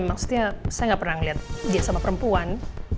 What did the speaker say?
maksudnya saya gak pernah ngeliat dia sama perempuan